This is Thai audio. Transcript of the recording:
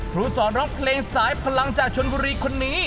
ครูสอนรอบเพลงศรายพลังจ่ายช่วงกุรีคนนี้